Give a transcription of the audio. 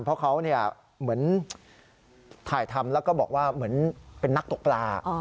เพราะเขาเหมือนถ่ายทำแล้วก็บอกว่าเหมือนเป็นนักตกปลา